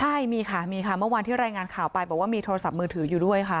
ใช่มีค่ะมีค่ะเมื่อวานที่รายงานข่าวไปบอกว่ามีโทรศัพท์มือถืออยู่ด้วยค่ะ